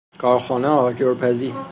کارخانه آجرپزی